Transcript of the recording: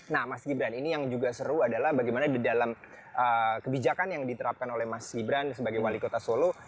nah mas gibran ini yang juga seru adalah bagaimana di dalam kebijakan yang diterapkan oleh mas gibran sebagai wali kota solo